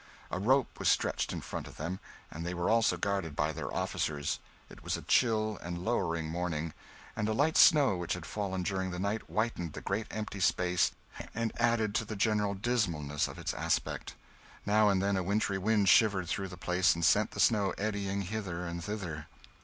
A rope was stretched in front of them, and they were also guarded by their officers. It was a chill and lowering morning, and a light snow which had fallen during the night whitened the great empty space and added to the general dismalness of its aspect. Now and then a wintry wind shivered through the place and sent the snow eddying hither and thither.